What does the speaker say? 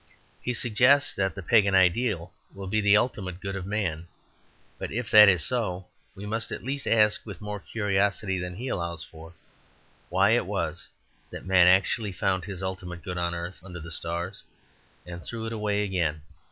He suggests that the Pagan ideal will be the ultimate good of man; but if that is so, we must at least ask with more curiosity than he allows for, why it was that man actually found his ultimate good on earth under the stars, and threw it away again.